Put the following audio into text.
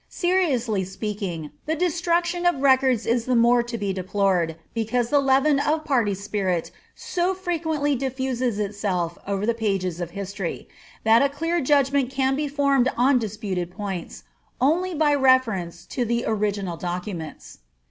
Seriously speaking, the destruction of records is the more to be deplored, because the leaven of party spirit so frequently diffuses itself over the pages of history, that a clear judgment can be formed on dis« puted points, only by reference to the original documents.